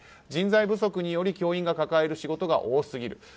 人材不足により、教員が抱える仕事が多すぎる。